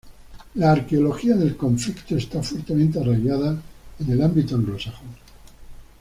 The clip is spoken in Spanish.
La arqueología del conflicto está fuertemente arraigada en el ámbito anglosajón.